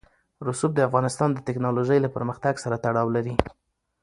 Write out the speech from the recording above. رسوب د افغانستان د تکنالوژۍ له پرمختګ سره تړاو لري.